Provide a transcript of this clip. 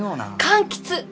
柑橘！